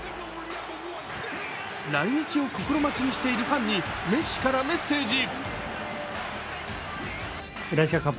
来日を心待ちにしているファンにメッシからメッセージ。